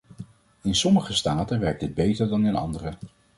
In sommige staten werkt dit beter dan in andere.